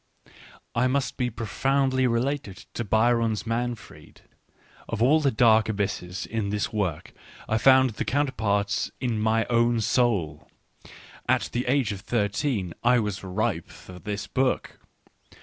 I must be profoundly related to Byron's Manfred: of all the dark abysses in this work I found the counterparts in my own soul — at the age of thirteen I was ripe for this book.